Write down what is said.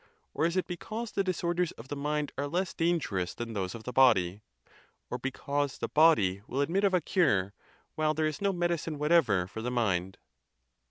or is it because the disor ders of the mind are less dangerous than those of the body? or because the body will admit of a cure, while there is no medicine whatever for the mind?